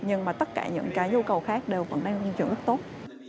nhưng mà tất cả những cái nhu cầu khác đều vẫn đang tăng trưởng rất tốt